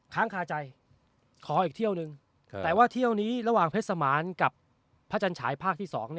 ค้างคาใจขออีกเที่ยวนึงแต่ว่าเที่ยวนี้ระหว่างเพชรสมานกับพระจันฉายภาคที่๒